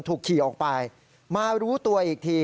ขี่ออกไปมารู้ตัวอีกที